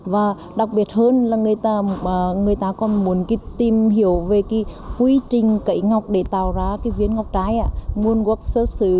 và đặc biệt hơn là người ta còn muốn tìm hiểu về cái quy trình cậy ngọc để tạo ra cái viên ngọc chai